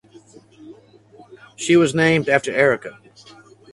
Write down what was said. She was named after Erica.